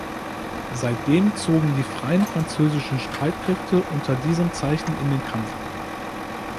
Seitdem zogen die Freien Französischen Streitkräfte unter diesem Zeichen in den Kampf.